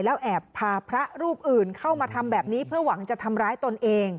แล้วแอบพาพระรูปอื่นเข้ามาทำแบบนี้เพื่อหวังจะทำร้ายตนเอง